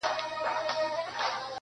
ستاسو خوږو مینوالو سره شریکوم-